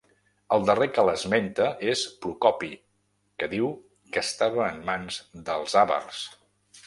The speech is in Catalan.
El darrer que l'esmenta es Procopi, que diu que estava en mans dels àvars.